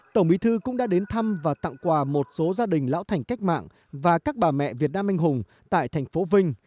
tổng bí thư cũng đã đến thăm và tặng quà một số gia đình lão thành cách mạng và các bà mẹ việt nam anh hùng tại thành phố vinh